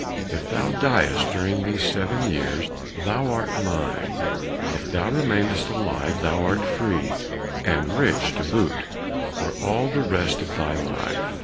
If thou diest during these seven years, thou art mine; if thou remainest alive, thou art free, and rich to boot, for all the rest of thy life."